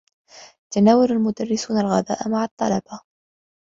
تناول المدرّسون الغذاء مع الطّلبة.